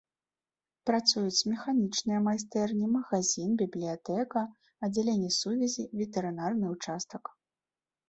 Працуюць механічныя майстэрні, магазін, бібліятэка, аддзяленне сувязі, ветэрынарны ўчастак.